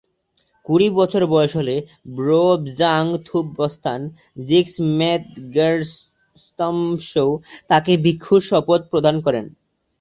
কুড়ি বছর বয়স হলে ব্লো-ব্জাং-থুব-ব্স্তান-'জিগ্স-মেদ-র্গ্যা-ম্ত্শো তাকে ভিক্ষুর শপথ প্রদান করেন।